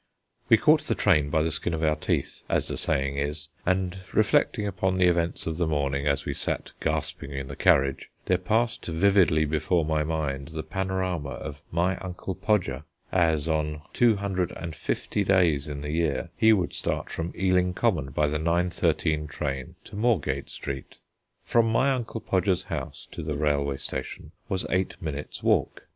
We caught the train by the skin of our teeth, as the saying is, and reflecting upon the events of the morning, as we sat gasping in the carriage, there passed vividly before my mind the panorama of my Uncle Podger, as on two hundred and fifty days in the year he would start from Ealing Common by the nine thirteen train to Moorgate Street. From my Uncle Podger's house to the railway station was eight minutes' walk.